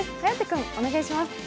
颯君、お願いします。